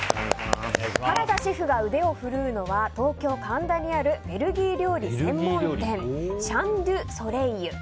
原田シェフが腕を振るうのは東京・神田にあるベルギー料理専門店シャン・ドゥ・ソレイユ。